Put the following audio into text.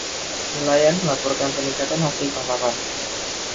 Nelayan melaporkan peningkatan hasil tangkapan.